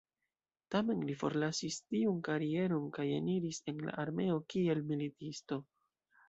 Tamen li forlasis tiun karieron kaj eniris en armeo kiel militisto.